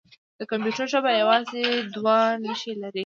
د کمپیوټر ژبه یوازې دوه نښې لري.